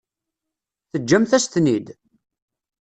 Teǧǧamt-as-ten-id?